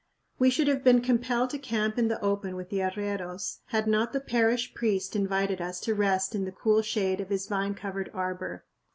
We should have been compelled to camp in the open with the arrieros had not the parish priest invited us to rest in the cool shade of his vine covered arbor.